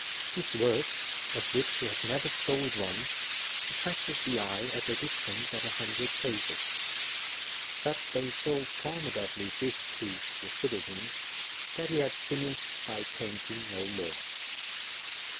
His works, of which he had never sold one, attracted the eye at a distance of a hundred paces; but they so formidably displeased the citizens, that he had finished by painting no more.